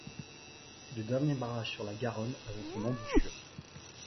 C'est le dernier barrage sur la Garonne avant son embouchure.